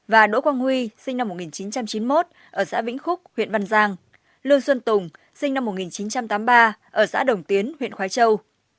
và đỗ quang huy sinh năm một nghìn chín trăm chín mươi một ở xã vĩnh phúc huyện văn giang lương xuân tùng sinh năm một nghìn chín trăm tám mươi ba ở xã đồng tiến huyện khói châu